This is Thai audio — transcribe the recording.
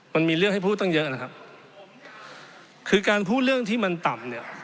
มันมีเรื่องให้พูดตั้งเยอะนะครับคือการพูดเรื่องที่มันต่ำเนี่ย